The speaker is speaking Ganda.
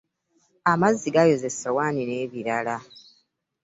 Amazzi gayoza essowaani n'ebirala.